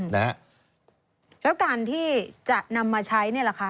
แล้วการที่จะนำมาใช้นี่แหละค่ะ